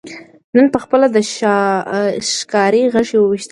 نن پخپله د ښکاري غشي ویشتلی